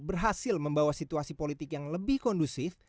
berhasil membawa situasi politik yang lebih kondusif